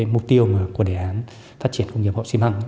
mục tiêu của đề án phát triển công nghiệp hậu xi măng